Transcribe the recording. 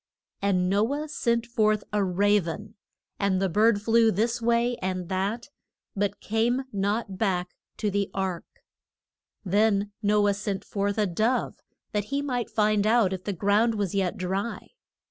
And No ah sent forth a ra ven, and the bird flew this way and that, but came not back to the ark. Then No ah sent forth a dove, that he might find out if the ground was yet dry.